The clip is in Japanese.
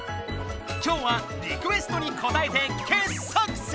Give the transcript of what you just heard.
今日はリクエストにこたえて傑作選！